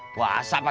puasa pakai lo salain